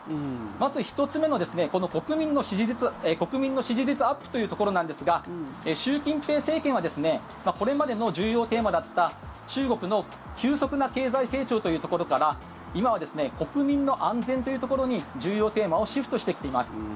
まず１つ目の国民の支持率アップというところなんですが習近平政権はこれまでの重要テーマだった中国の急速な経済成長というところから今は国民の安全というところに重要テーマをシフトしてきています。